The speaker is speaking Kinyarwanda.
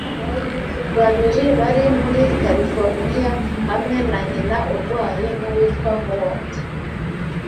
Babiri bari muri Californiya hamwe na nyina urwaye w'uwitwa Howard.